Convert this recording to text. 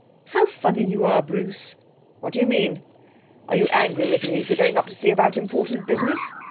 'How funny you are, Bruce!' 'What do you mean? Are you angry with me for going up to see about important business?